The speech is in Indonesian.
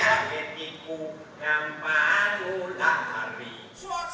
nyampang lu lari